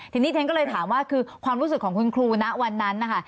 ทีนี้ฉันก็เลยถามว่าคือความรู้สึกของคุณครูณวันนั้นนะคะ